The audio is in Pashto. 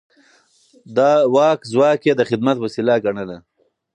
د واک ځواک يې د خدمت وسيله ګڼله.